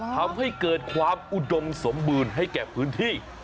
ทำให้เกิดความอุดมสมบูรณ์ให้แก่พื้นที่